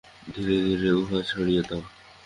ধীরে ধীরে উহা ছাড়িয়া দাও।